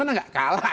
mana nggak kalah